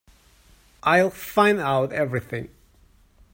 I'll find out everything.